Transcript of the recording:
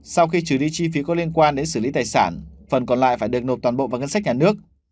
sau khi trừ đi chi phí có liên quan đến xử lý tài sản phần còn lại phải được nộp toàn bộ vào ngân sách nhà nước